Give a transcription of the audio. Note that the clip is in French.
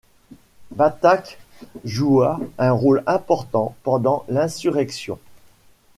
Batak joua un rôle important pendant l’insurrection.